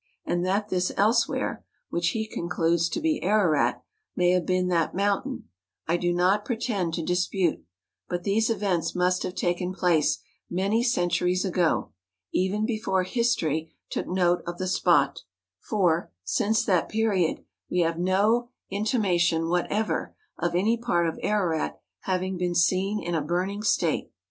And that this else¬ where, which he concludes to be Ararat, may have been that mountain, I do not pretend to dispute; but these events must have taken place many centuries ago, even before history took note of the spot; for, since that period, we have no intimation whatever of any part of Ararat having been seen in a burning state.